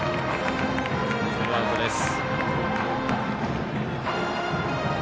ツーアウトです。